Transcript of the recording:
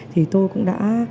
thì tôi cũng đã